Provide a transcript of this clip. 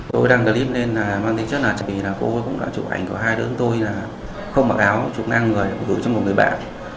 tôi đăng clip lên mang tính chất là cô ấy cũng đã chụp ảnh của hai đứa tôi là không mặc áo chụp năng người gửi cho một người bạn